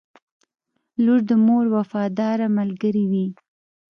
• لور د مور وفاداره ملګرې وي.